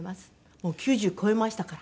もう９０超えましたから。